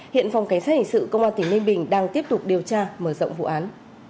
hiện phòng kế xã hội sự công an tỉnh ninh bình đang tiếp tục điều tra mở rộng vụ án